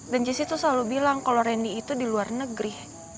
dan jessy tuh selalu bilang kalau randy itu di luar negeri